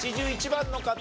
８１番の方。